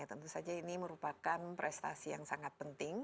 tentu saja ini merupakan prestasi yang sangat penting